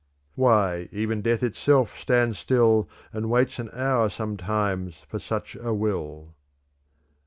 Why, even death itself Stands still and waits an hour sometimes For such a will."